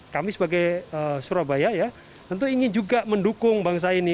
kami sebagai surabaya ya tentu ingin juga mendukung bangsa ini